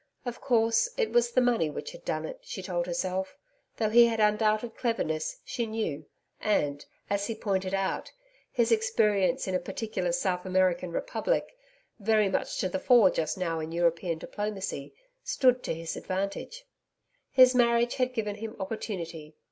Of course, it was the money which had done it, she told herself, though he had undoubted cleverness, she knew, and, as he pointed out, his experience in a particular South American republic very much to the fore just now in European diplomacy stood to his advantage. His marriage had given him opportunity.